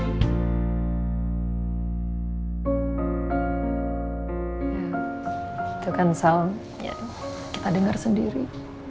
ya itu kan soalnya kita dengar sendiri